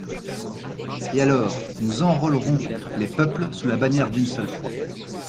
Et alors, nous enrôlerons les peuples sous la bannière d'une seule foi.